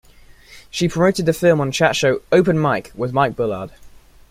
She promoted the film on chat show "Open Mike with Mike Bullard".